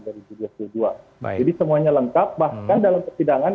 jadi semuanya lengkap bahkan dalam persidangan